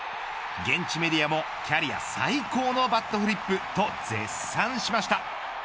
現地メディアもキャリア最高のバットフリップと絶賛しました。